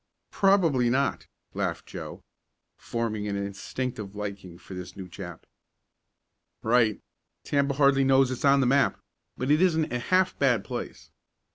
"Probably not," laughed Joe, forming an instinctive liking for this new chap. "Right. Tampa hardly knows it's on the map, but it isn't a half bad place.